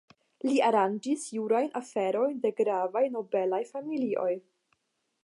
Li aranĝis jurajn aferojn de gravaj nobelaj familioj.